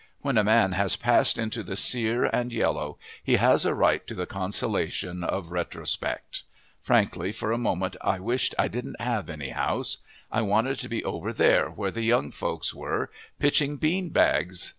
When a man has passed into the sere and yellow he has a right to the consolation of retrospect. Frankly, for a moment I wished I didn't have any house. I wanted to be over there where the young folks were, pitching bean bags.